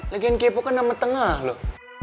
lagian kepo kan sama tengah loh